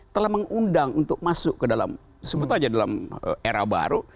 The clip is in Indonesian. telah mengundang untuk masuk ke dalam sebut aja dalam era baru